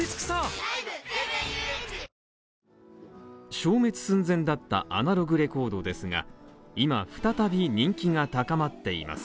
消滅寸前だったアナログレコードですが、今、再び人気が高まっています。